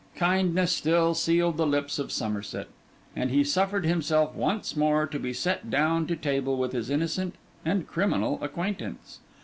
Kindness still sealed the lips of Somerset; and he suffered himself once more to be set down to table with his innocent and criminal acquaintance.